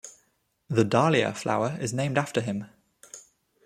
The dahlia flower is named after him.